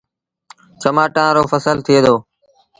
چمآٽآن رو ڦسل ٿئي دو۔